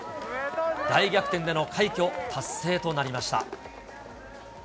大逆転での快挙達成となりました。